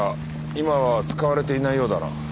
今は使われていないようだな。